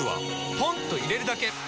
ポンと入れるだけ！